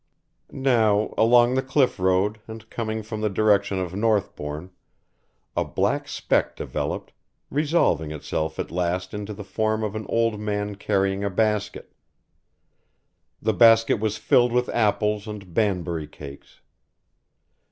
Now, along the cliff road and coming from the direction of Northbourne a black speck developed, resolving itself at last into the form of an old man carrying a basket. The basket was filled with apples and Banbury cakes.